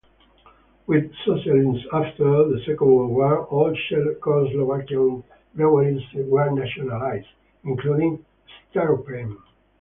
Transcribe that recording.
With socialism after the Second World War, all Czechoslovakian breweries were nationalised, including Staropramen.